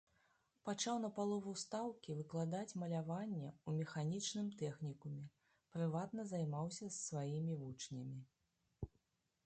Пачаў на палову стаўкі выкладаць маляванне ў механічным тэхнікуме, прыватна займаўся з сваімі вучнямі.